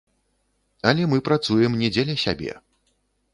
Але мы працуем не дзеля сябе.